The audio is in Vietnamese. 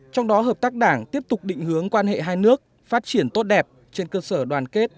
trong đó hợp tác đảng tiếp tục định hướng quan hệ hai nước phát triển tốt đẹp trên cơ sở đoàn kết